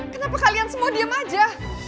kenapa kalian semua diem aja